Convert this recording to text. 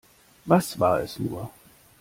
Was war es nur?